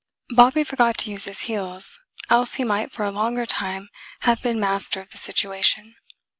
Bobby forgot to use his heels, else he might for a longer time have been master of the situation.